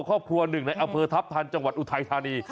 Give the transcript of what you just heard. ครอบครัวหนึ่งในอำเภอทัพทันจังหวัดอุทัยธานี